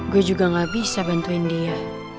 gue juga gak bisa bantuin dia